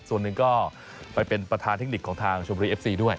ส่วนหนึ่งก็ไปเป็นประธานเทคนิคของทางชมบุรีเอฟซีด้วย